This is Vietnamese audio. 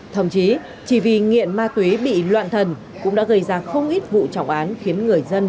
thậm chí chỉ vì nghiện ma túy bị loạn thần cũng đã gây ra không ít vụ trọng án khiến người dân